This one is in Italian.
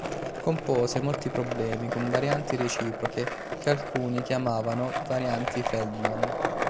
Compose molti problemi con "varianti reciproche", che alcuni chiamavano "varianti Feldmann".